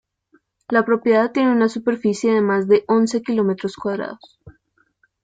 La propiedad tiene una superficie de más de once kilómetros cuadrados.